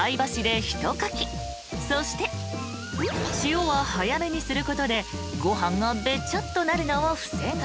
［そして塩は早めにすることでご飯がベチャッとなるのを防ぐ］